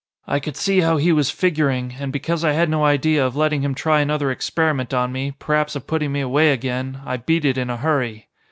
I could see how he was figuring, and because I had no idea of letting him try another experiment on me, p'r'aps of putting me away again, I beat it in a hurry.